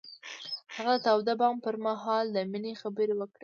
هغه د تاوده بام پر مهال د مینې خبرې وکړې.